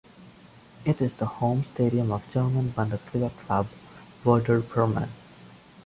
It is the home stadium of German Bundesliga club Werder Bremen.